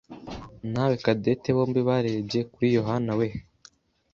nawe Cadette bombi barebye kuri Yohanawe.